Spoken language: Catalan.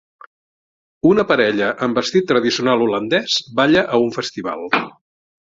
Una parella amb vestit tradicional holandès balla a un festival